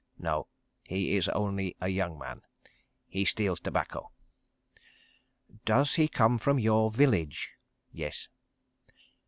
"No. He is only a young man. He steals tobacco." "Does he come from your village?" "Yes."